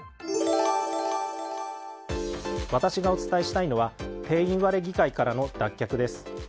私がお伝えしたいのは定員割れ議会からの脱却です。